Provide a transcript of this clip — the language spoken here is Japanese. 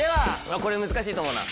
これ難しいと思うな。